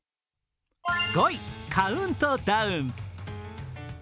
５位、「カウントダウン」。